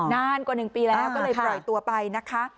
นานกว่า๑ปีแล้วก็เลยปล่อยตัวไปนะคะ